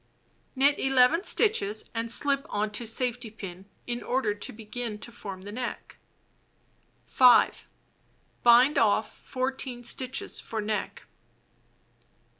Knit 11 stitches and slip on to safety pin, in order to begin to form the neck. 5. Bind off 14 stitches for neck.